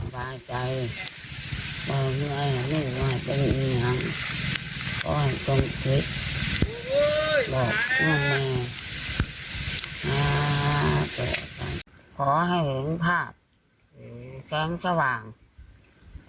ขอให้เห็นภาพ